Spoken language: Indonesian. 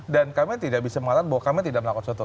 dan kami tidak bisa mengatakan bahwa kami tidak melakukan sesuatu